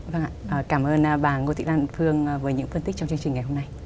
cảm ơn bà ngô thị lan phương với những phân tích trong chương trình ngày hôm nay